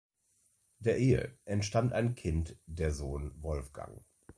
Der Ehe entstammt ein Kind, der Sohn Wolfgang.